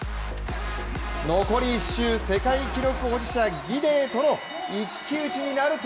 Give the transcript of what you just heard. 残り１周、世界記録保持者、ギデイとの一騎打ちになると